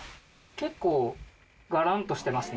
結構ガランとしてますね。